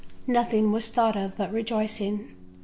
Nothing was thought of but rejoicing.